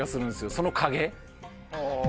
その影。